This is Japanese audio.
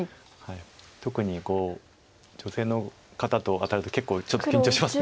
特に女性の方と当たると結構ちょっと緊張します